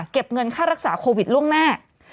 เก็บเงินค่ารักษาโควิดร่วงแน่